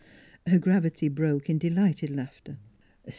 " Her gravity broke in delighted laughter.